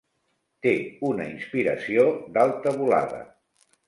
Té una inspiració d'alta volada.